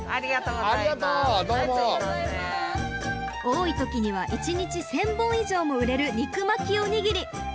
多い時には一日１，０００本以上も売れる肉巻きおにぎり！